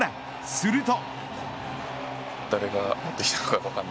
すると。